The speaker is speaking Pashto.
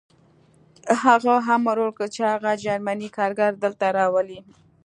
هغه امر وکړ چې هغه جرمنی کارګر دلته راولئ